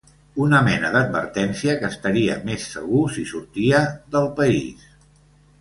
Una mena d'advertència que estaria més segur si sortia del país.